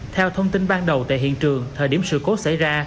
theo thông tin ban đầu tại hiện trường thời điểm sự cố xảy ra